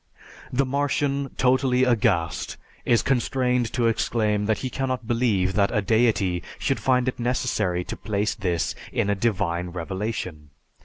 The Martian, totally aghast, is constrained to exclaim that he cannot believe that a Deity should find it necessary to place this in a divine revelation.